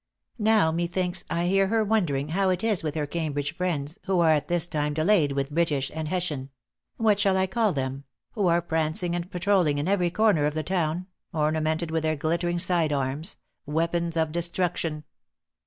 Now methinks I hear her wondering how it is with her Cambridge friends, who are at this time delayed with British and Hessian what shall I call them? who are prancing and patrolling in every corner of the town, ornamented with their glittering side arms weapons of destruction.